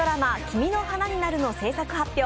「君の花になる」の制作発表。